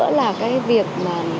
để trở lại cơ chế thoáng